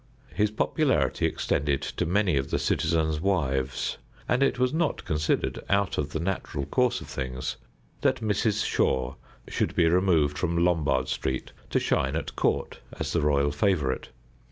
His popularity extended to many of the citizens' wives, and it was not considered out of the natural course of things that Mrs. Shore should be removed from Lombard Street to shine at court as the royal favorite.